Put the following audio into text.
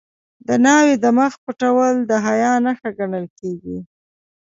د ناوې د مخ پټول د حیا نښه ګڼل کیږي.